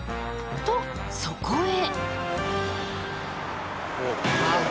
とそこへ！